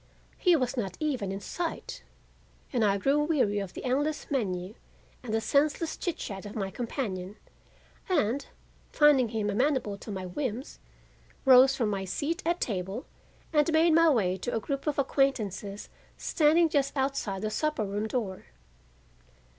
He was not even in sight, and I grew weary of the endless menu and the senseless chit chat of my companion, and, finding him amenable to my whims, rose from my seat at table and made my way to a group of acquaintances standing just outside the supper room door.